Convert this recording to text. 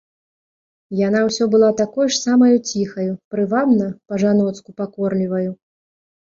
Яна ўсё была такою ж самаю ціхаю, прывабна, па-жаноцку пакорліваю.